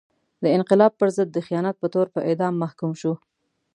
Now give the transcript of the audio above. د انقلاب پر ضد د خیانت په تور په اعدام محکوم شو.